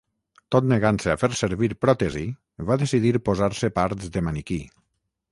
Tot negant-se a fer servir pròtesi, va decidir posar-se parts de maniquí.